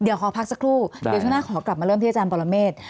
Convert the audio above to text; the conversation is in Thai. เดี๋ยวขอพักสักครู่เดี๋ยวช่วงหน้าขอกลับมาเริ่มที่อาจารย์ปรเมฆ